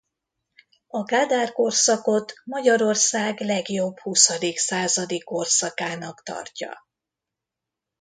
A Kádár-korszakot Magyarország legjobb huszadik századi korszakának tartja.